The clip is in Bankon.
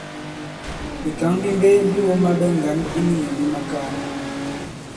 Bìkǎŋ bi mbe bi wōma ɓɛ ŋgǎn i minyɔ̌ mi makaa.